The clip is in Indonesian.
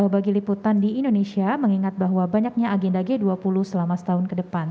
bagi liputan di indonesia mengingat bahwa banyaknya agenda g dua puluh selama setahun ke depan